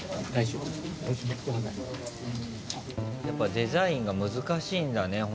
やっぱデザインが難しいんだね